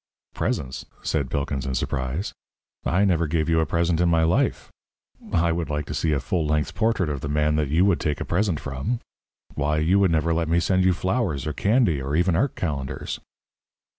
"Presents!" said Pilkins in surprise. "I never gave you a present in my life. I would like to see a full length portrait of the man that you would take a present from. Why, you never would let me send you flowers or candy or even art calendars."